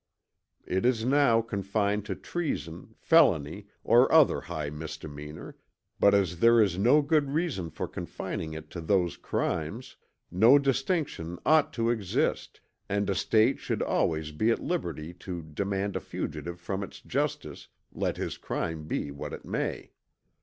It is now confined to treason, felony, or other high misdemeanor; but as there is no good reason for confining it to those crimes, no distinction ought to exist, and a State should always be at liberty to demand a fugitive from its justice, let his crime be what it may.